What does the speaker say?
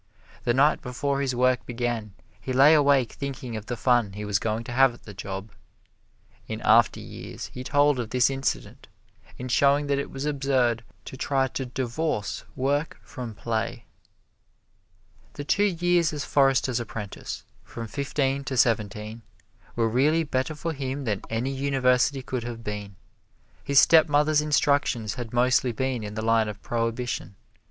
The night before his work began he lay awake thinking of the fun he was going to have at the job. In after years he told of this incident in showing that it was absurd to try to divorce work from play. The two years as forester's apprentice, from fifteen to seventeen, were really better for him than any university could have been. His stepmother's instructions had mostly been in the line of prohibition.